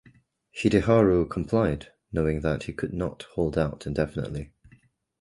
Hideharu complied knowing that he could not hold out indefinitely.